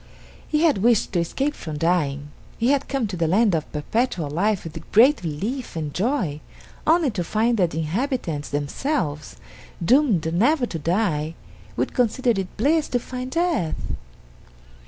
He had wished to escape from dying. He had come to the land of Perpetual Life with great relief and joy, only to find that the inhabitants themselves, doomed never to die, would consider it bliss to find death.